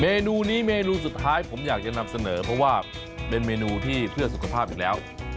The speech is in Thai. เมนูนี้เมนูสุดท้ายผมอยากจะนำเสนอเพราะว่าเป็นเมนูที่เพื่อสุขภาพอีกแล้ว